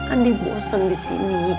andi bosen disini